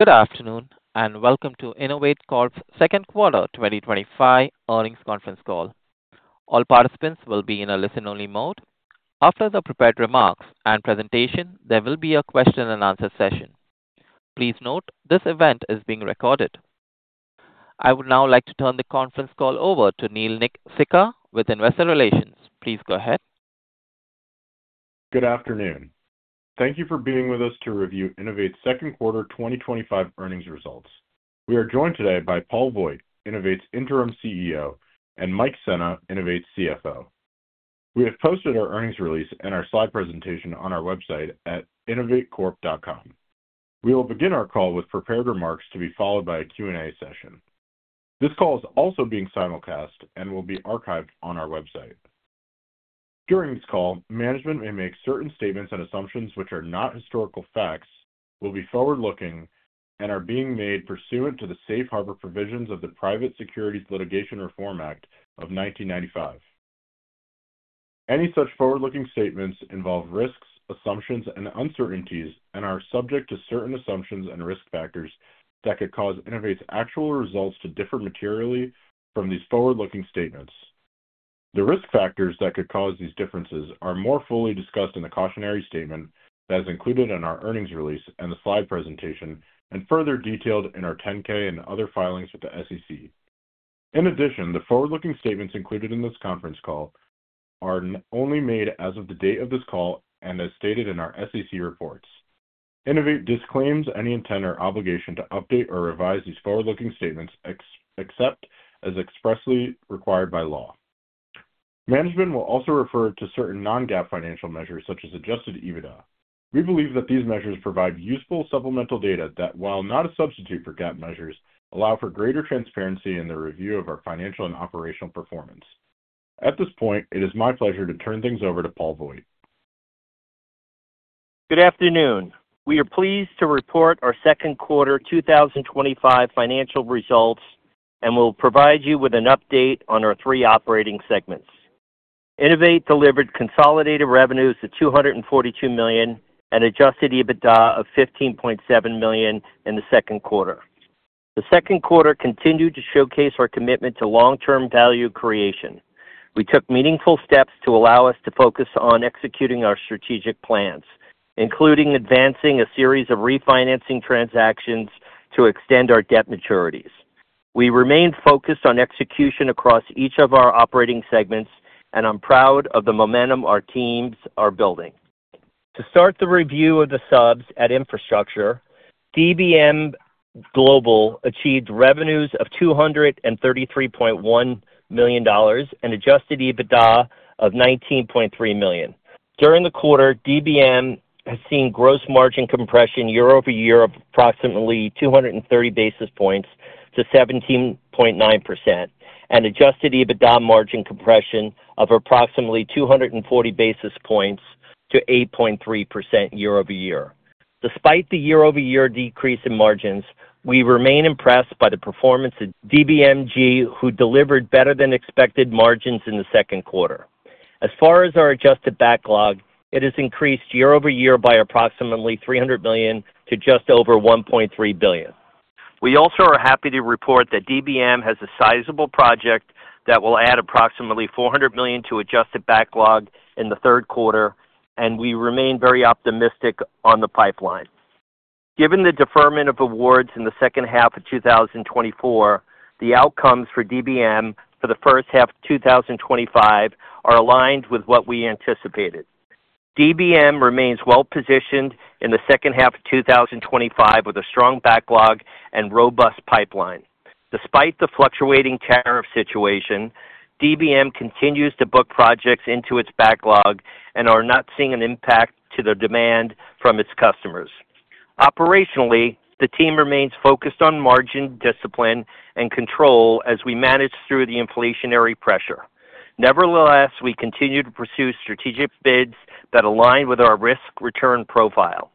Good afternoon and welcome to INNOVATE Corp.'s second quarter 2025 earnings conference call. All participants will be in a listen-only mode. After the prepared remarks and presentation, there will be a question and answer session. Please note this event is being recorded. I would now like to turn the conference call over to Neel Sikka with Investor Relations. Please go ahead. Good afternoon. Thank you for being with us to review INNOVATE's second quarter 2025 earnings results. We are joined today by Paul Voigt, INNOVATE's Interim CEO, and Mike Sena, INNOVATE's CFO. We have posted our earnings release and our slide presentation on our website at www.innovatecorp.com. We will begin our call with prepared remarks to be followed by a Q&A session. This call is also being simulcast and will be archived on our website. During this call, management may make certain statements and assumptions which are not historical facts, will be forward-looking, and are being made pursuant to the Safe Harbor provisions of the Private Securities Litigation Reform Act of 1995. Any such forward-looking statements involve risks, assumptions, and uncertainties and are subject to certain assumptions and risk factors that could cause INNOVATE's actual results to differ materially from these forward-looking statements. The risk factors that could cause these differences are more fully discussed in the cautionary statement that is included in our earnings release and the slide presentation, and further detailed in our 10-K and other filings with the SEC. In addition, the forward-looking statements included in this conference call are only made as of the date of this call and as stated in our SEC reports. INNOVATE disclaims any intent or obligation to update or revise these forward-looking statements except as expressly required by law. Management will also refer to certain non-GAAP financial measures such as adjusted EBITDA. We believe that these measures provide useful supplemental data that, while not a substitute for GAAP measures, allow for greater transparency in the review of our financial and operational performance. At this point, it is my pleasure to turn things over to Paul Voigt. Good afternoon. We are pleased to report our second quarter 2025 financial results and will provide you with an update on our three operating segments. INNOVATE delivered consolidated revenues of $242 million and an adjusted EBITDA of $15.7 million in the second quarter. The second quarter continued to showcase our commitment to long-term value creation. We took meaningful steps to allow us to focus on executing our strategic plans, including advancing a series of refinancing transactions to extend our debt maturities. We remained focused on execution across each of our operating segments, and I'm proud of the momentum our teams are building. To start the review of the subs at infrastructure, DBM Global achieved revenues of $233.1 million and an adjusted EBITDA of $19.3 million. During the quarter, DBM has seen gross margin compression year over year of approximately 230 basis points to 17.9% and adjusted EBITDA margin compression of approximately 240 basis points to 8.3% year over year. Despite the year-over-year decrease in margins, we remain impressed by the performance of DBM Global, who delivered better-than-expected margins in the second quarter. As far as our adjusted backlog, it has increased year over year by approximately $300 million to just over $1.3 billion. We also are happy to report that DBM has a sizable project that will add approximately $400 million to adjusted backlog in the third quarter, and we remain very optimistic on the pipeline. Given the deferment of awards in the second half of 2024, the outcomes for DBM for the first half of 2025 are aligned with what we anticipated. DBM remains well-positioned in the second half of 2025 with a strong backlog and robust pipeline. Despite the fluctuating tariff situation, DBM continues to book projects into its backlog and is not seeing an impact on the demand from its customers. Operationally, the team remains focused on margin, discipline, and control as we manage through the inflationary pressure. Nevertheless, we continue to pursue strategic bids that align with our risk/return profile.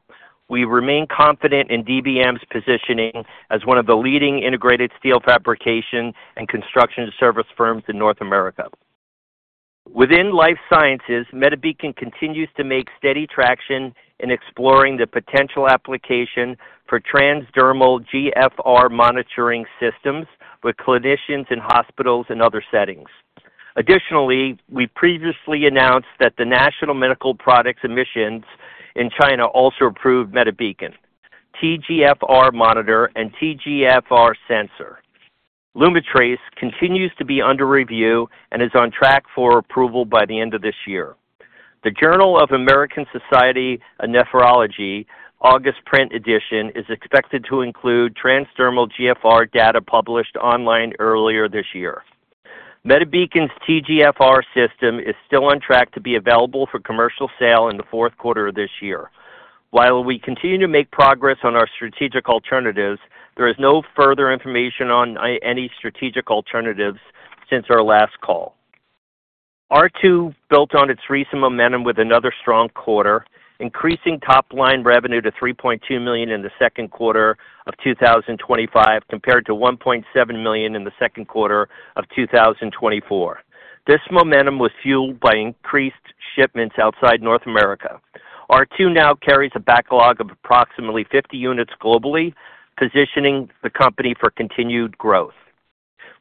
We remain confident in DBM's positioning as one of the leading integrated steel fabrication and construction service firms in North America. Within life sciences, MediBeacon continues to make steady traction in exploring the potential application for transdermal GFR monitoring systems with clinicians in hospitals and other settings. Additionally, we previously announced that the National Medical Products Administration in China also approved MediBeacon, MediBeacon TGFR Monitor, and MediBeacon TGFR Sensor. Lumitrace continues to be under review and is on track for approval by the end of this year. The Journal of the American Society of Nephrology, August print edition, is expected to include transdermal GFR data published online earlier this year. MediBeacon's TGFR system is still on track to be available for commercial sale in the fourth quarter of this year. While we continue to make progress on our strategic alternatives, there is no further information on any strategic alternatives since our last call. R2 built on its recent momentum with another strong quarter, increasing top-line revenue to $3.2 million in the second quarter of 2025 compared to $1.7 million in the second quarter of 2024. This momentum was fueled by increased shipments outside North America. R2 now carries a backlog of approximately 50 units globally, positioning the company for continued growth.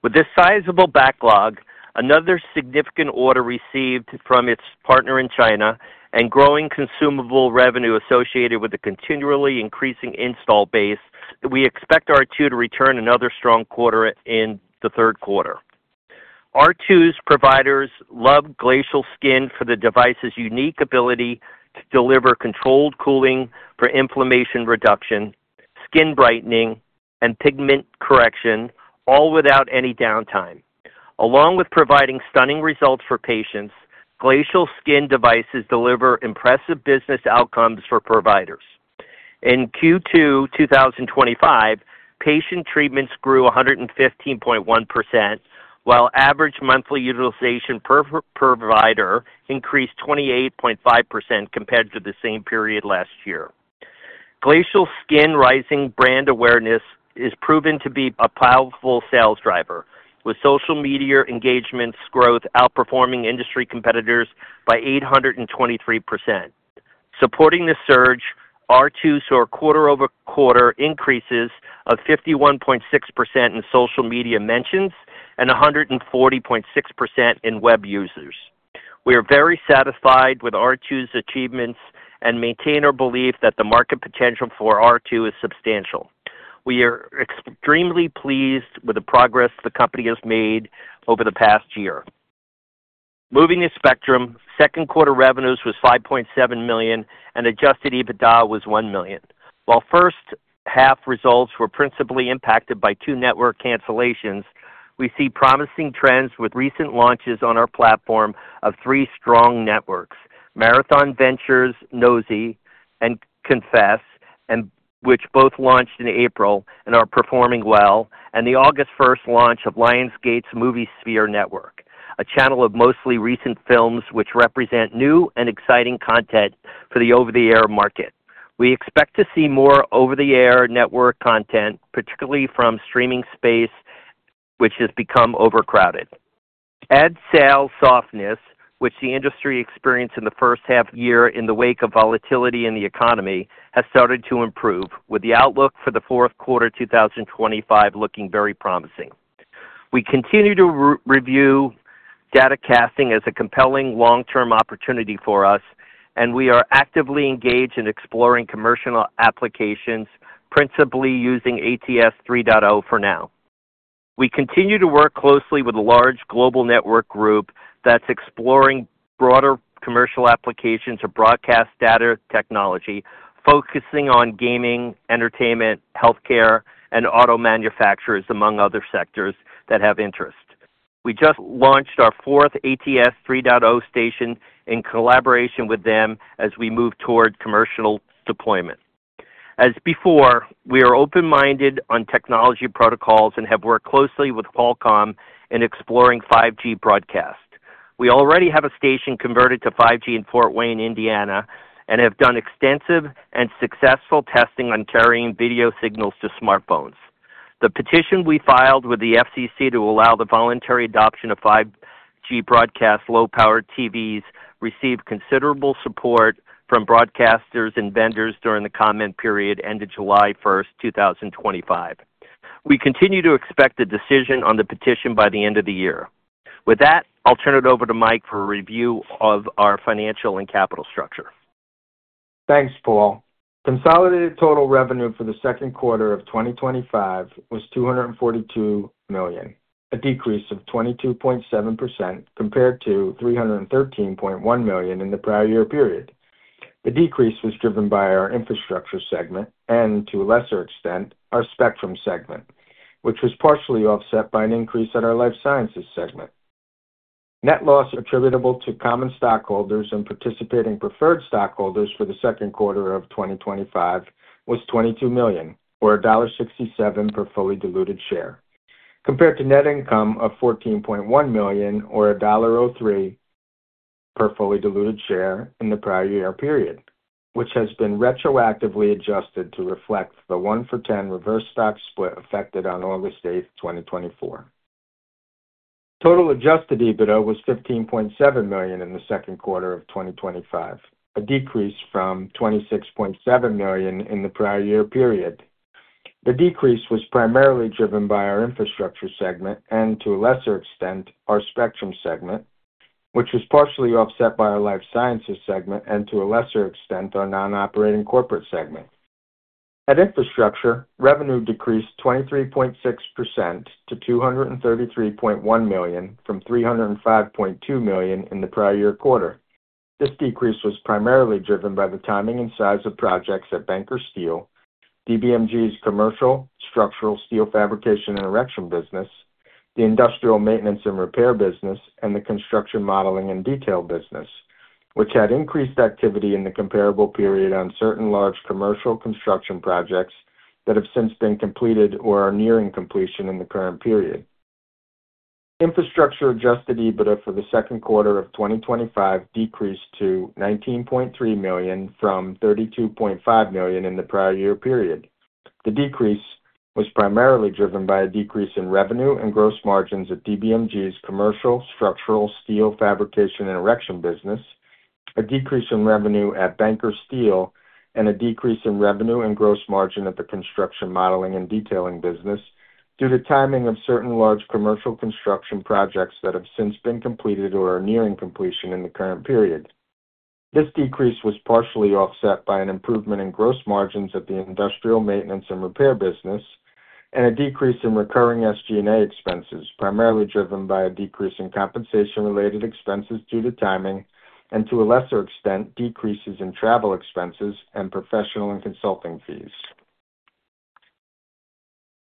With this sizable backlog, another significant order received from its partner in China, and growing consumable revenue associated with a continually increasing install base, we expect R2 to return another strong quarter in the third quarter. R2's providers love Glacial Skin for the device's unique ability to deliver controlled cooling for inflammation reduction, skin brightening, and pigment correction, all without any downtime. Along with providing stunning results for patients, Glacial Skin devices deliver impressive business outcomes for providers. In Q2 2025, patient treatments grew 115.1%, while average monthly utilization per provider increased 28.5% compared to the same period last year. Glacial Skin's rising brand awareness is proven to be a powerful sales driver, with social media engagement growth outperforming industry competitors by 823%. Supporting the surge, R2 saw quarter-over-quarter increases of 51.6% in social media mentions and 140.6% in web users. We are very satisfied with R2's achievements and maintain our belief that the market potential for R2 is substantial. We are extremely pleased with the progress the company has made over the past year. Moving to Spectrum, second quarter revenues were $5.7 million and adjusted EBITDA was $1 million. While first-half results were principally impacted by two network cancellations, we see promising trends with recent launches on our platform of three strong networks: Marathon Ventures, NOSI, and CONFESS, which both launched in April and are performing well, and the August 1st launch of Lionsgate's MovieSphere Network, a channel of mostly recent films which represent new and exciting content for the over-the-air market. We expect to see more over-the-air network content, particularly from the streaming space, which has become overcrowded. Ad sale softness, which the industry experienced in the first half year in the wake of volatility in the economy, has started to improve, with the outlook for the fourth quarter 2025 looking very promising. We continue to review data casting as a compelling long-term opportunity for us, and we are actively engaged in exploring commercial applications, principally using ATSC 3.0 for now. We continue to work closely with a large global network group that's exploring broader commercial applications of broadcast data technology, focusing on gaming, entertainment, healthcare, and auto manufacturers, among other sectors that have interest. We just launched our fourth ATSC 3.0 station in collaboration with them as we move toward commercial deployment. As before, we are open-minded on technology protocols and have worked closely with Qualcomm in exploring 5G broadcast. We already have a station converted to 5G in Fort Wayne, Indiana, and have done extensive and successful testing on carrying video signals to smartphones. The petition we filed with the FCC to allow the voluntary adoption of 5G broadcast low-power TVs received considerable support from broadcasters and vendors during the comment period ended July 1st, 2025. We continue to expect a decision on the petition by the end of the year. With that, I'll turn it over to Mike for a review of our financial and capital structure. Thanks, Paul. Consolidated total revenue for the second quarter of 2025 was $242 million, a decrease of 22.7% compared to $313.1 million in the prior year period. The decrease was driven by our infrastructure segment and, to a lesser extent, our Spectrum segment, which was partially offset by an increase in our Life Sciences segment. Net loss attributable to common stockholders and participating preferred stockholders for the second quarter of 2025 was $22 million, or $1.67 per FDS, compared to net income of $14.1 million, or $1.03 per FDS in the prior year period, which has been retroactively adjusted to reflect the one-for-10 reverse stock split effected on August 8, 2024. Total adjusted EBITDA was $15.7 million in the second quarter of 2025, a decrease from $26.7 million in the prior year period. The decrease was primarily driven by our infrastructure segment and, to a lesser extent, our Spectrum segment, which was partially offset by our Life Sciences segment and, to a lesser extent, our non-operating corporate segment. At Infrastructure, revenue decreased 23.6% to $233.1 million from $305.2 million in the prior year quarter. This decrease was primarily driven by the timing and size of projects at Banker Steel, DBM Global's commercial structural steel fabrication and erection business, the industrial maintenance and repair business, and the construction modeling and detail business, which had increased activity in the comparable period on certain large commercial construction projects that have since been completed or are nearing completion in the current period. Infrastructure adjusted EBITDA for the second quarter of 2025 decreased to $19.3 million from $32.5 million in the prior year period. The decrease was primarily driven by a decrease in revenue and gross margins at DBM Global's commercial structural steel fabrication and erection business, a decrease in revenue at Banker Steel, and a decrease in revenue and gross margin at the construction modeling and detailing business due to timing of certain large commercial construction projects that have since been completed or are nearing completion in the current period. This decrease was partially offset by an improvement in gross margins at the industrial maintenance and repair business and a decrease in recurring SG&A expenses, primarily driven by a decrease in compensation-related expenses due to timing and, to a lesser extent, decreases in travel expenses and professional and consulting fees.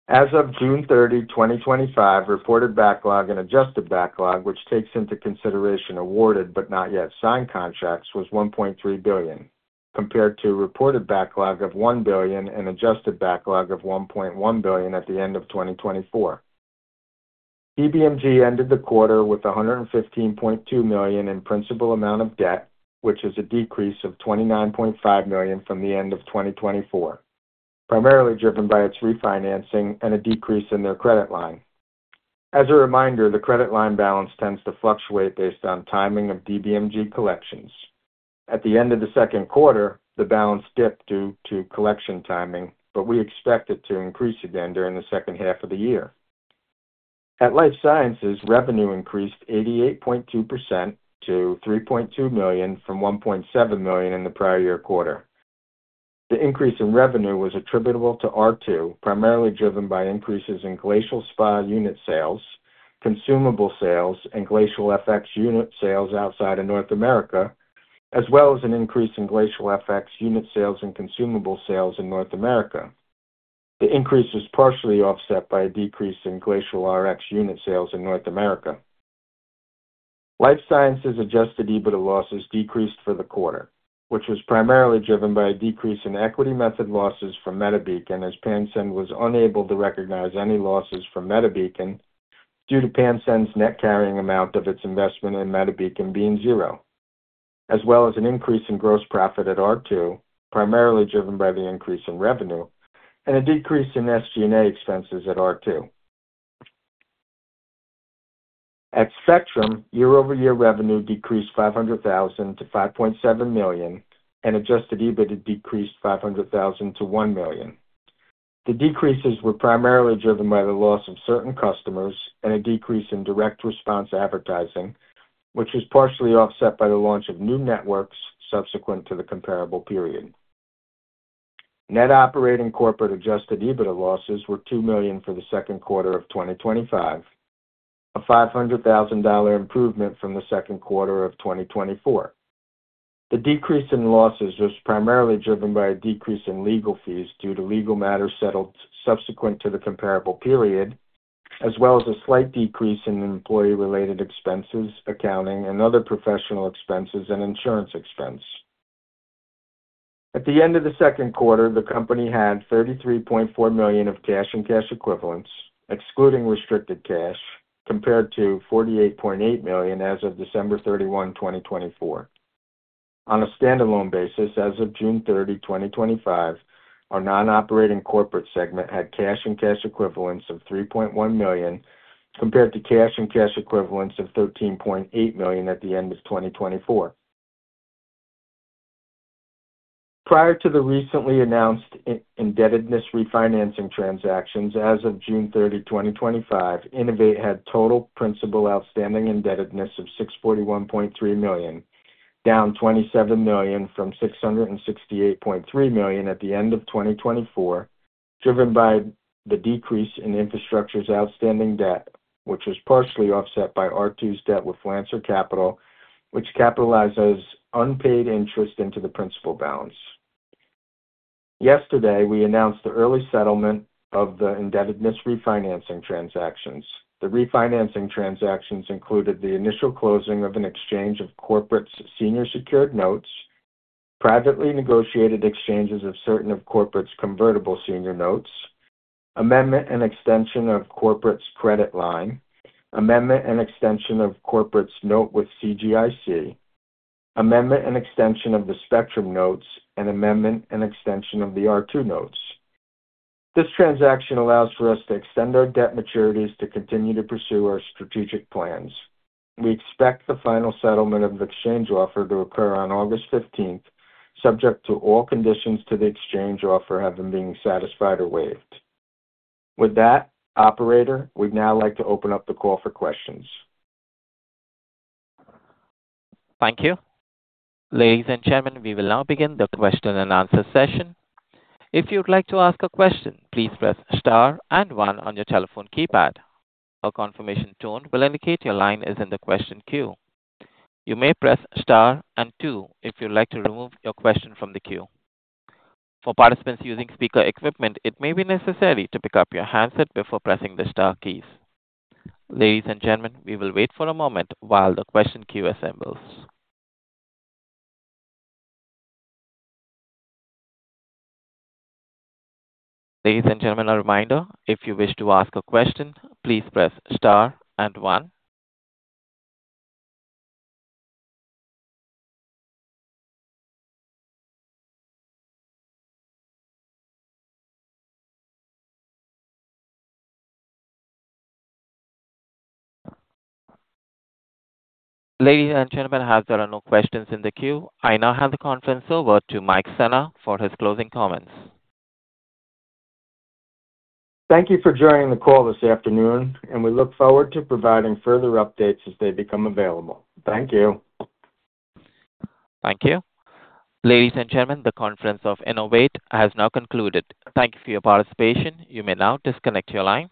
As of June 30, 2025, reported backlog and adjusted backlog, which takes into consideration awarded but not yet signed contracts, was $1.3 billion, compared to a reported backlog of $1 billion and adjusted backlog of $1.1 billion at the end of 2024. DBM Global ended the quarter with $115.2 million in principal amount of debt, which is a decrease of $29.5 million from the end of 2024, primarily driven by its refinancing and a decrease in their credit line. As a reminder, the credit line balance tends to fluctuate based on timing of DBM Global collections. At the end of the second quarter, the balance dipped due to collection timing, but we expect it to increase again during the second half of the year. At Life Sciences, revenue increased 88.2% to $3.2 million from $1.7 million in the prior year quarter. The increase in revenue was attributable to R2, primarily driven by increases in Glacial Spa unit sales, consumable sales, and Glacial FX unit sales outside of North America, as well as an increase in Glacial FX unit sales and consumable sales in North America. The increase was partially offset by a decrease in Glacial RX unit sales in North America. Life Sciences adjusted EBITDA losses decreased for the quarter, which was primarily driven by a decrease in equity method losses from MediBeacon, as PanSen was unable to recognize any losses from MediBeacon due to PanSen's net carrying amount of its investment in MediBeacon being zero, as well as an increase in gross profit at R2, primarily driven by the increase in revenue and a decrease in SG&A expenses at R2. At Spectrum, year-over-year revenue decreased $500,000 to $5.7 million and adjusted EBITDA decreased $500,000 to $1 million. The decreases were primarily driven by the loss of certain customers and a decrease in direct response advertising, which was partially offset by the launch of new networks subsequent to the comparable period. Net operating corporate adjusted EBITDA losses were $2 million for the second quarter of 2025, a $500,000 improvement from the second quarter of 2024. The decrease in losses was primarily driven by a decrease in legal fees due to legal matters settled subsequent to the comparable period, as well as a slight decrease in employee-related expenses, accounting, and other professional expenses and insurance expense. At the end of the second quarter, the company had $33.4 million of cash and cash equivalents, excluding restricted cash, compared to $48.8 million as of December 31, 2024. On a standalone basis, as of June 30, 2025, our non-operating corporate segment had cash and cash equivalents of $3.1 million compared to cash and cash equivalents of $13.8 million at the end of 2024. Prior to the recently announced indebtedness refinancing transactions, as of June 30, 2025, INNOVATE had total principal outstanding indebtedness of $641.3 million, down $27 million from $668.3 million at the end of 2024, driven by the decrease in infrastructure's outstanding debt, which was partially offset by R2's debt with Lancer Capital, which capitalizes unpaid interest into the principal balance. Yesterday, we announced the early settlement of the indebtedness refinancing transactions. The refinancing transactions included the initial closing of an exchange of corporate's senior secured notes, privately negotiated exchanges of certain of corporate's convertible senior notes, amendment and extension of corporate's credit line, amendment and extension of corporate's note with CGIC, amendment and extension of the Spectrum notes, and amendment and extension of the R2 notes. This transaction allows for us to extend our debt maturities to continue to pursue our strategic plans. We expect the final settlement of the exchange offer to occur on August 15th, subject to all conditions to the exchange offer having been satisfied or waived. With that, operator, we'd now like to open up the call for questions. Thank you. Ladies and gentlemen, we will now begin the question and answer session. If you would like to ask a question, please press star and one on your telephone keypad. A confirmation tone will indicate your line is in the question queue. You may press star and two if you would like to remove your question from the queue. For participants using speaker equipment, it may be necessary to pick up your handset before pressing the star keys. Ladies and gentlemen, we will wait for a moment while the question queue assembles. Ladies and gentlemen, a reminder, if you wish to ask a question, please press star and one. Ladies and gentlemen, as there are no questions in the queue, I now hand the conference over to Mike Sena for his closing comments. Thank you for joining the call this afternoon, and we look forward to providing further updates as they become available. Thank you. Thank you. Ladies and gentlemen, the conference of INNOVATE Corp. has now concluded. Thank you for your participation. You may now disconnect your lines.